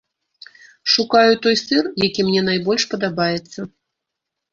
Шукаю той сыр, які мне найбольш падабаецца.